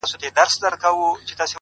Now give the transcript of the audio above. زغم شخصیت ته ژوروالی ورکوي’